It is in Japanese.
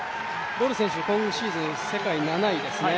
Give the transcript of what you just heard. ボル選手、今シーズン世界７位ですね。